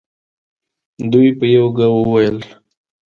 دوی په یوه ږغ وویل.